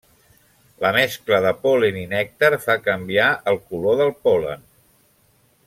La mescla de pol·len i nèctar fa canviar el color del pol·len.